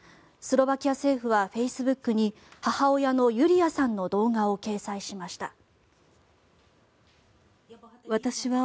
スロバキア政府はフェイスブックに母親のユリアさんの動画を掲載しました。